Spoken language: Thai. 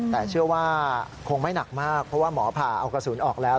แต่เชื่อว่าคงไม่หนักมากเพราะว่าหมอผ่าเอากระสุนออกแล้ว